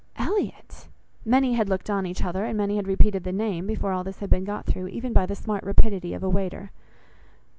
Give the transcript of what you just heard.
"Elliot!" Many had looked on each other, and many had repeated the name, before all this had been got through, even by the smart rapidity of a waiter.